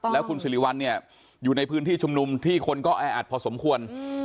แล้วคุณสิริวัลเนี่ยอยู่ในพื้นที่ชุมนุมที่คนก็แออัดพอสมควร